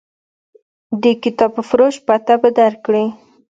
د کتابفروش پته به درکړي.